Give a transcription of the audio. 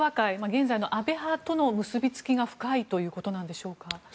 現在の安倍派との結びつきが深いということなんでしょうか。